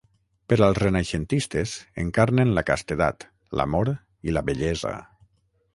Per als renaixentistes, encarnen la castedat, l'amor i la bellesa.